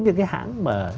những cái hãng mà